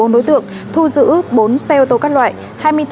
một mươi bốn đối tượng thu giữ bốn xe ô tô các loại